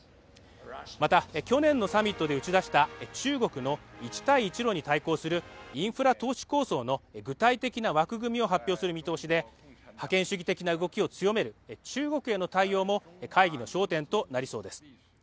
また、去年のサミットで打ち出した中国の一帯一路に対抗するインフラ投資構想の具体的な枠組みを発表する見通しで、覇権主義的な動きを強める中国への対応も会議の焦点となりそうです。